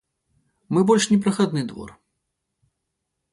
Мы больш не прахадны двор.